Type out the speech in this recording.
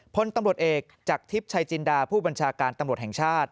พลตำรวจเอกจากทิพย์ชัยจินดาผู้บัญชาการตำรวจแห่งชาติ